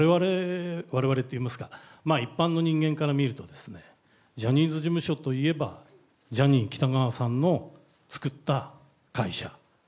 われわれといいますか、一般の人間から見るとですね、ジャニーズ事務所といえば、ジャニー喜多川さんの作った会社。